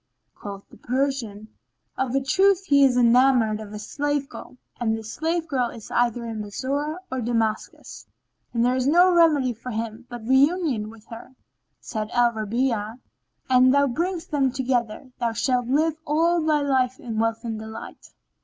Quoth the Persian, "Of a truth he is enamoured of a slave girl and this slave girl is either in Bassorah or Damascus; and there is no remedy for him but reunion with her." Said Al Rabi'a, "An thou bring them together, thou shalt live all thy life in wealth and delight."